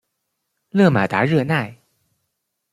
勒马达热奈。